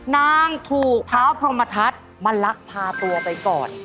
นางถูกเท้าพรมทัศน์มาลักพาตัวไปก่อน